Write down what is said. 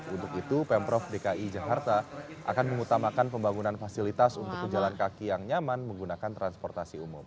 untuk itu pemprov dki jakarta akan mengutamakan pembangunan fasilitas untuk pejalan kaki yang nyaman menggunakan transportasi umum